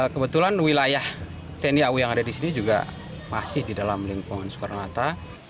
kebetulan wilayah tni au yang ada di sini juga masih di dalam lingkungan soekarno hatta